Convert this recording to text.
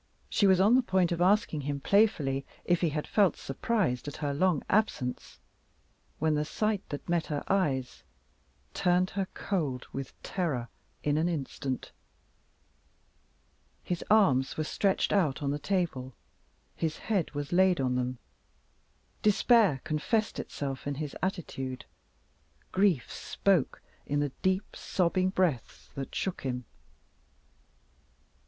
She was on the point of asking him playfully if he had felt surprised at her long absence when the sight that met her eyes turned her cold with terror in an instant. His arms were stretched out on the table; his head was laid on them, despair confessed itself in his attitude; grief spoke in the deep sobbing breaths that shook him.